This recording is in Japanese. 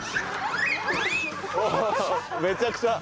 めちゃくちゃ。